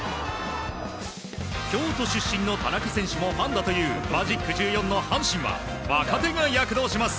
京都出身の田中選手もファンだというマジック１４の阪神は若手が躍動します！